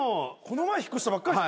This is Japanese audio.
この前引っ越したばっかり。